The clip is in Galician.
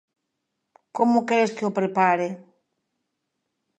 Como queres que o prepare?